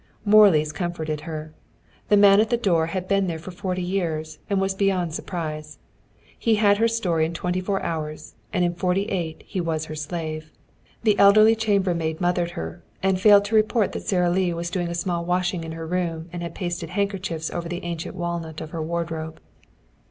Morley's comforted her. The man at the door had been there for forty years, and was beyond surprise. He had her story in twenty four hours, and in forty eight he was her slave. The elderly chambermaid mothered her, and failed to report that Sara Lee was doing a small washing in her room and had pasted handkerchiefs over the ancient walnut of her wardrobe.